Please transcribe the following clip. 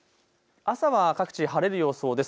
朝は各地晴れる予想です。